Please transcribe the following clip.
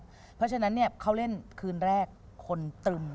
เพราะฉะนั้นเนี่ยเขาเล่นคืนแรกคนตื่น